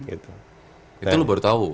itu lu baru tahu